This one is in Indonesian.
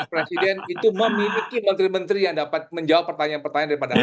presiden itu memiliki menteri menteri yang dapat menjawab pertanyaan pertanyaan daripada